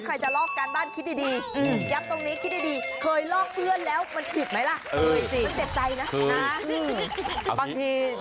ใครจะลอกการบ้านคิดดี